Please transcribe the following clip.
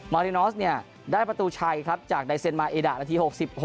รินอสเนี่ยได้ประตูชัยครับจากไดเซ็นมาเอดะนาที๖๖